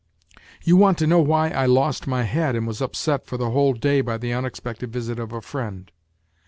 You want to know why I lost my head and was upset for the whole day by the unexpected visit of a friend?